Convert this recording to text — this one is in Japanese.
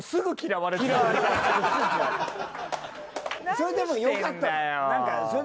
それでもよかったの。